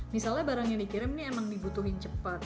misalnya barang yang dikirim ini emang dibutuhin cepat